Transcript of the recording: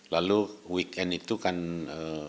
lalu weekend itu kita siapkan